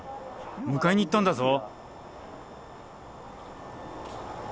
むかえに行ったんだぞ。